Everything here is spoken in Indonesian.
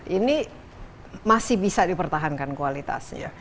ini masih bisa dipertahankan kualitasnya